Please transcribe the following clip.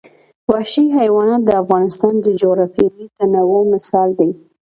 وحشي حیوانات د افغانستان د جغرافیوي تنوع مثال دی.